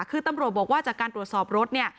คือตำรวจบอกว่าจากการตรวจสอบรถเนี่ย